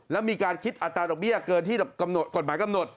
แล้วมีการคิดอัตราดอกเบี้ยเกินที่กฎหมายกำหนด